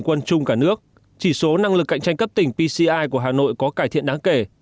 quân chung cả nước chỉ số năng lực cạnh tranh cấp tỉnh pci của hà nội có cải thiện đáng kể